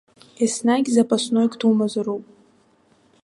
Еснагь запасноик думазароуп.